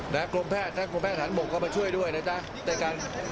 กรมแพทย์ทั้งกรมแพทย์ฐานบกเข้ามาช่วยด้วยนะจ๊ะในการ